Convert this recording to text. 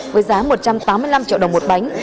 với giá một trăm tám mươi năm triệu đồng một bánh